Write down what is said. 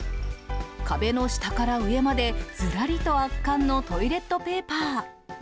壁の下から上まで、ずらりと圧巻のトイレットペーパー。